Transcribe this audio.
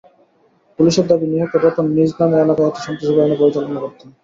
পুলিশের দাবি, নিহত রতন নিজ নামে এলাকায় একটি সন্ত্রাসী বাহিনী পরিচালনা করতেন।